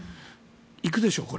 行くでしょう、これ。